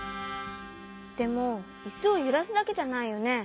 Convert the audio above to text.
でもイスをゆらすだけじゃないよね？